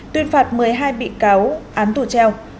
tuyên phạt một mươi hai bị cáo án tù treo